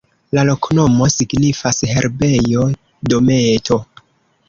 La loknomo signifas: herbejo-dometo.